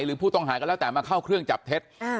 หรือผู้ต้องหาก็แล้วแต่มาเข้าเครื่องจับเท็จ